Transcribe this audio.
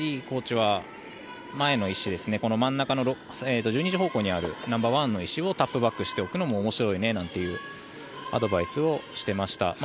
コーチは前の石ですねこの真ん中の１２時方向にあるナンバーワンの石をタップバックしていくのも面白いねなんていうアドバイスをしていました。